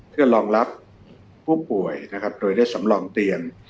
เพื่อรองรับผู้ป่วยนะครับโดยได้สำรองเตียง